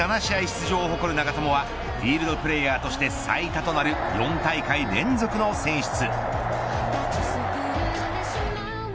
出場を誇る長友はフィールドプレーヤーとして最多となる４大会連続の選出。